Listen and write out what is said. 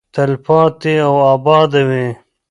تلپاتې او اباده وي.